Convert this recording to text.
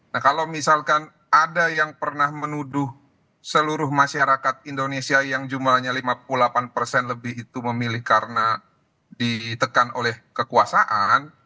nah kalau misalkan ada yang pernah menuduh seluruh masyarakat indonesia yang jumlahnya lima puluh delapan persen lebih itu memilih karena ditekan oleh kekuasaan